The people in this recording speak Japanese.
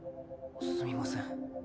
すみません。